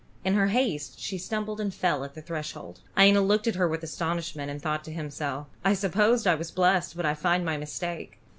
In her haste she stumbled and fell at the threshold. Iena looked at her with astonishment, and thought to himself, "I supposed I was blessed, but I find my mistake.